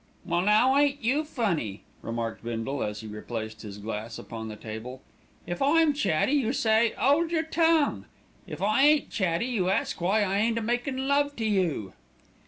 "Well, now, ain't you funny!" remarked Bindle, as he replaced his glass upon the table. "If I'm chatty, you say, ''Old your tongue!' If I ain't chatty, you ask why I ain't a makin' love to you."